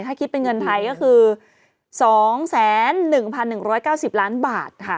ถ้าคิดเป็นเงินไทยก็คือ๒๑๑๙๐ล้านบาทค่ะ